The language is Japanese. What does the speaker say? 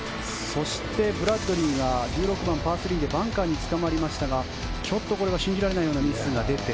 そしてブラッドリーが１６番、パー３でバンカーにつかまりましたがこれは信じられないようなミスが出て。